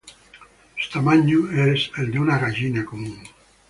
Su tamaño es el de una gallina común.